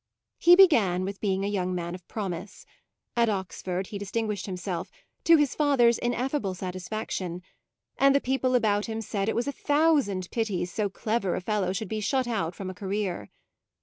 He began with being a young man of promise; at Oxford he distinguished himself, to his father's ineffable satisfaction, and the people about him said it was a thousand pities so clever a fellow should be shut out from a career.